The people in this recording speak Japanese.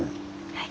はい。